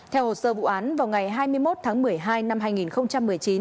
theo hồ sơ vụ án vào ngày hai mươi một tháng một mươi hai năm hai nghìn một mươi chín